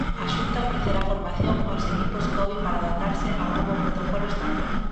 A Xunta ofrecerá formación aos equipos covid para adaptarse ao novo protocolo estatal.